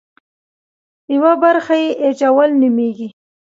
یوه برخه یې اېچ اول نومېږي.